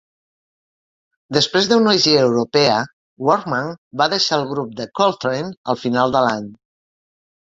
Després d'una gira europea, Workman va deixar el grup de Coltrane al final de l'any.